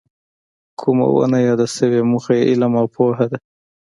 کومه ونه یاده شوې موخه یې علم او پوهه ده.